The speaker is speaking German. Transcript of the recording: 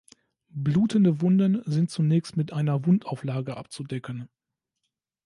Blutende Wunden sind zunächst mit einer Wundauflage abzudecken.